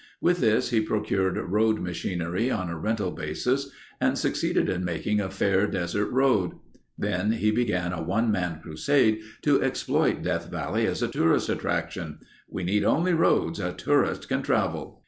With this he procured road machinery on a rental basis and succeeded in making a fair desert road. Then he began a one man crusade to exploit Death Valley as a tourist attraction. "We need only roads a tourist can travel."